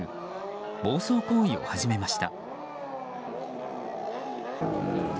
暴走行為を始めました。